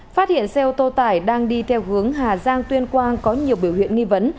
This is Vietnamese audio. phát hiện xe ô tô tải đang đi theo hướng hà giang tuyên quang có nhiều biểu hiện nghi vấn